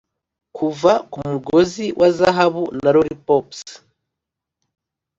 kuva kumugozi wa zahabu, na lollipops,